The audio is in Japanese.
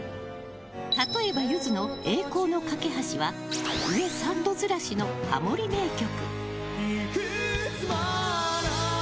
例えば、ゆずの「栄光の架橋」は上３度ずらしのハモリ名曲。